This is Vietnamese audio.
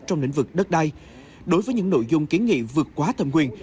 trong lĩnh vực đất đai đối với những nội dung kiến nghị vượt quá thẩm quyền